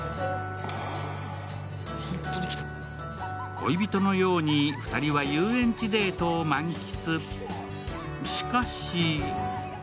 恋人のように２人は遊園地デートを満喫。